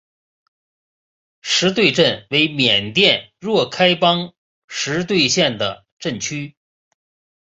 实兑镇为缅甸若开邦实兑县的镇区。